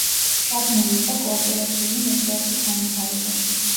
ჩაბმული იყო კოოპერაციული მოძრაობის განვითარებაში.